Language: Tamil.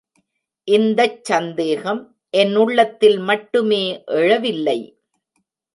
இந்தச் சந்தேகம் என் உள்ளத்தில் மட்டுமே எழவில்லை.